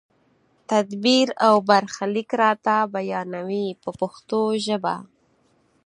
تدبیر او برخلیک راته بیانوي په پښتو ژبه.